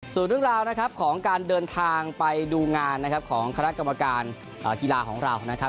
ส่วนเรื่องราวของการเดินทางไปดูงานของคณะกรรมการกีฬาของเรา